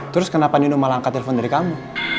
terus kenapa nino malah angka telepon dari kamu